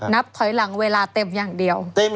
นับถอยหลังเวลาเต็มอย่างเดียว